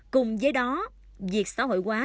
cùng với đó việc xã hội quá